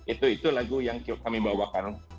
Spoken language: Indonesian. itu lagu yang kami bawakan